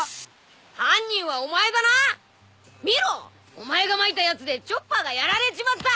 お前がまいたやつでチョッパーがやられちまった。